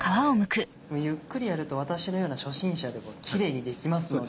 ゆっくりやると私のような初心者でもキレイにできますので。